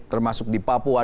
termasuk di papua